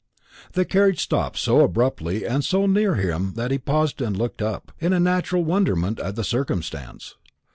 The carriage stopped so abruptly and so near him that he paused and looked up, in natural wonderment at the circumstance.